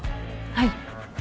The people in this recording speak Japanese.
はい。